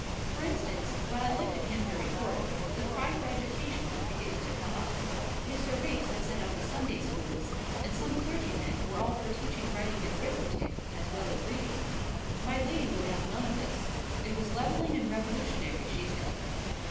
For instance, while I lived at Hanbury Court, the cry for education was beginning to come up: Mr. Raikes had set up his Sunday Schools; and some clergymen were all for teaching writing and arithmetic, as well as reading. My lady would have none of this; it was levelling and revolutionary, she said.